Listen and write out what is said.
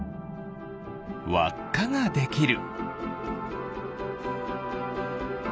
わっかができる。